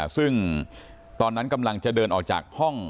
ซึ่งตอนนั้นกำลังจะเดินออกจากห้อง